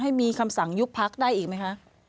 ให้มีคำสั่งยุบพักได้อีกไหมคะ